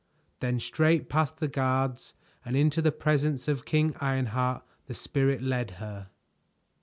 Then straight past the guards and into the presence of King Ironheart the Spirit led her.